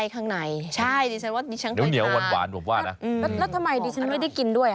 ครับเออแล้วมีไส้ข้างในหวานผมว่านะแล้วทำไมดิฉันไม่ได้กินด้วย